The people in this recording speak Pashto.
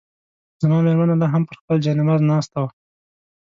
زما مېرمنه لا هم پر خپل جاینماز ناسته وه.